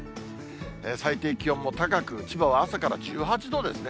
最低気温も高く、千葉は朝から１８度ですね。